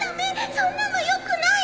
そんなのよくないよ